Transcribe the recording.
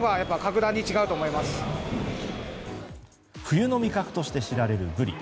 冬の味覚として知られるブリ。